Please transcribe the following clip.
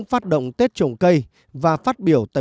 và tôi thật sự đã ở phía phía tây